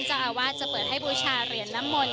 เจ้าอาวาสจะเปิดให้บูชาเหรียญน้ำมนต